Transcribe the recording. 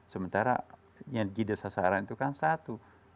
sementara yang jadi sasaran itu kan satu